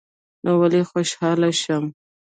نو ولي خوشحاله شم